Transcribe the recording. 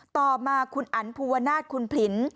ต่อมาคุณอันภูวนาศคุณผลิน